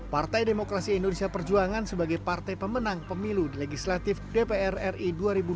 partai demokrasi indonesia perjuangan sebagai partai pemenang pemilu legislatif dpr ri dua ribu dua puluh empat